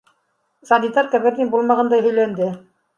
Санитарка бер ни булмағандай һөйләнде.